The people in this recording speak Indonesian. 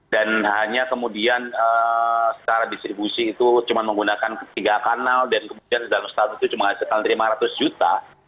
dan hanya kemudian secara distribusi itu cuma menggunakan tiga kanal dan kemudian dalam status itu cuma hasilkan lima ratus juta